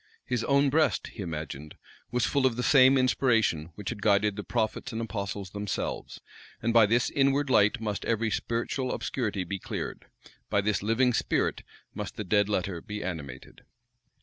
His own breast, he imagined, was full of the same inspiration which had guided the prophets and apostles themselves; and by this inward light must every spiritual obscurity be cleared, by this living spirit must the dead letter be animated.